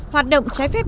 phạt động trái phép